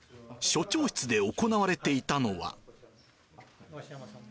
署長室で行われていたのは。